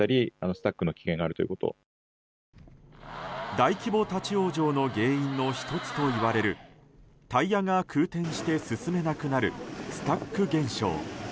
大規模立ち往生の原因の１つといわれるタイヤが空転して進めなくなるスタック現象。